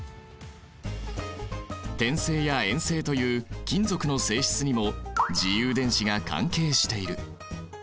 展性や延性という金属の性質にも自由電子が関係している。